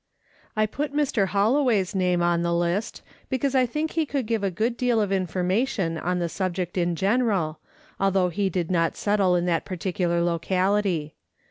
I put Mr. Holloway's name on the list, because I think he could give a good deal of information on the subject in general, although he did not settle in that particular locality.